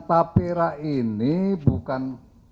tapi era ini bukan